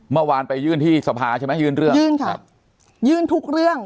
เมื่อวานไปยื่นที่สภาใช่ไหมยื่นเรื่องยื่นค่ะยื่นทุกเรื่อง